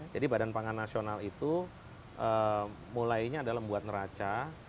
jadi bpn itu mulainya adalah membuat neraca